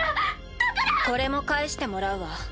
だから！これも返してもらうわ。